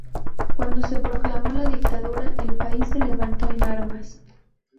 Cuando se proclamó la dictadura, el país se levantó en armas.